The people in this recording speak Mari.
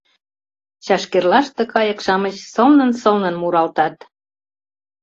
Чашкерлаште кайык-шамыч сылнын-сылнын муралтат.